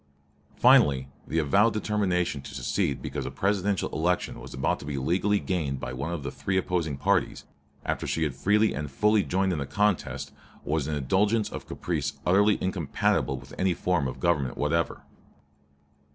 Finally, the avowed determination to secede because a Presidential election was about to be legally gained by one of the three opposing parties, after she had freely and fully joined in the contest, was an indulgence of caprice utterly incompatible with any form of government whatever.